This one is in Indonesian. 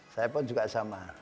saya pun juga sama